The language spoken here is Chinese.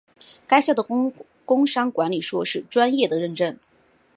该校的工商管理硕士专业的认证。